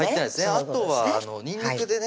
あとはにんにくでね